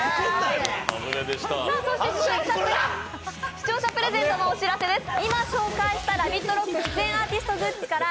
視聴者プレゼントのお知らせです。